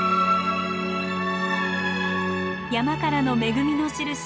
山からの恵みのしるし